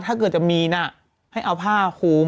ถ้าเกิดจะมีนะให้เอาผ้าคุม